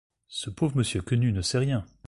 Ce pauvre monsieur Quenu ne sait rien.